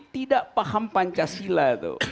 tidak paham pancasila